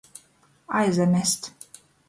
Aizamest.